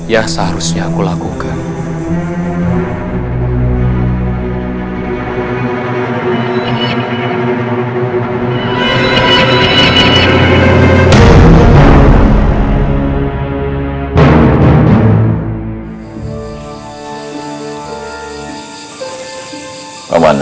yang seharusnya aku lakukan